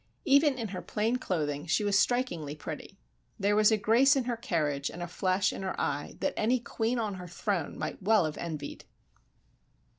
Even in her plain clothing she was strikingly pretty. There was a grace in her carriage and a flash in her eye that any queen on her throne might well have envied.